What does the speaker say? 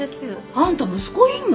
あんた息子いんの？